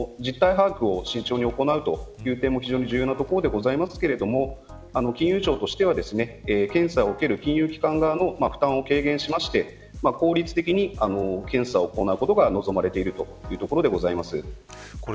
そこで、もちろん実態把握を慎重に行うという点が非常に重要ですが金融庁としては検査を受ける金融機関側の負担を軽減して効率的に検査を行うことが望まれているというところです。